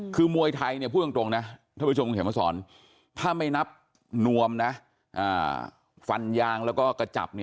คือมวยไทยพูดตรงนะถ้าไม่นับนวมฟันยางแล้วก็กระจับ